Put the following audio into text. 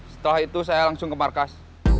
setelah itu saya langsung ke markas